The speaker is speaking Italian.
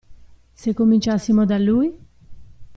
Se cominciassimo da lui?